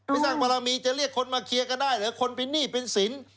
สร้างบารมีจะเรียกคนมาเคลียร์กันได้เหรอคนเป็นหนี้เป็นสิน